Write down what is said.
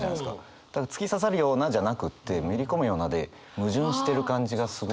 ただ「突き刺さるような」じゃなくって「めり込むような」で矛盾してる感じがすごい。